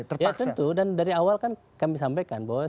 ya tentu dan dari awal kan kami sampaikan bahwa